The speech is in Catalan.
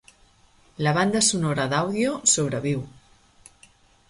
La banda sonora d'àudio sobreviu.